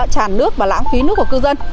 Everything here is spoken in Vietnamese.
tràn nước và lãng phí nước của cư dân